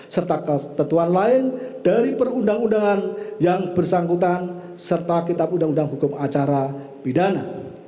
serta ketentuan lain dari perundang undangan yang bersangkutan serta kitab undang undang hukum acara pidana